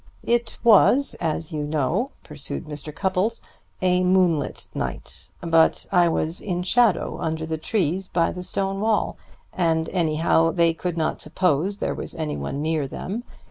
"It was, as you know," pursued Mr. Cupples, "a moonlight night; but I was in shadow under the trees by the stone wall, and anyhow they could not suppose there was any one near them.